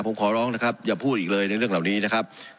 ผมขอร้องนะครับอย่าพูดอีกเลยในเรื่องเหล่านี้นะครับ